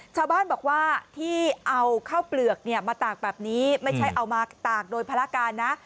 ชาวบ้านบอกว่าที่เอาข้าวเปลือกมาตากแบบนี้ไม่ใช่เอามาตากโดยภารการนะ